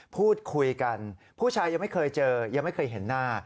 พูดคุยกันผู้ชายยังไม่เคยเจอยังไม่เคยเห็นหน้า